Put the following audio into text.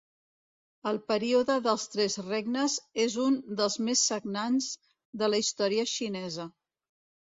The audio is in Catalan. El període dels Tres Regnes és un dels més sagnants de la història xinesa.